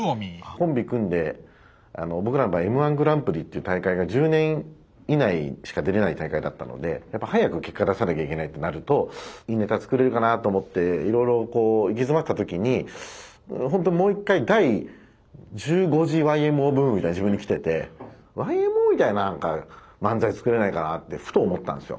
コンビ組んで僕らの場合Ｍー１グランプリっていう大会が１０年以内しか出れない大会だったのでやっぱ早く結果出さなきゃいけないとなるといいネタ作れるかなと思っていろいろ行き詰まってた時にほんともう一回第１５次ＹＭＯブームみたいの自分にきててＹＭＯみたいな漫才作れないかなってふと思ったんですよ。